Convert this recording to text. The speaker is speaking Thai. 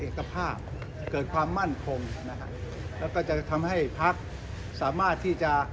เป็นเอกภาพเกิดความมั่นคงนะครับแล้วก็จะทำให้พักษ์สามารถที่จะ